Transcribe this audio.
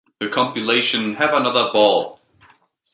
The compilation Have Another Ball!